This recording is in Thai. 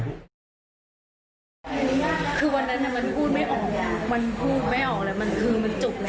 คือวันนั้นเนี้ยมันพูดไม่ออกมันพูดไม่ออกและมันจุกละ